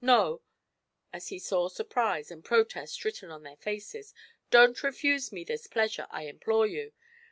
No," as he saw surprise and protest written on their faces, "don't refuse me this pleasure, I implore you!